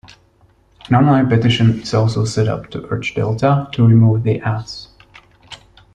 An online petition is also set up to urge Delta to remove the ads.